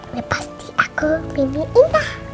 ya pasti aku mimpi indah